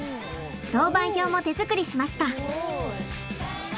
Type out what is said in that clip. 当番表も手作りしました。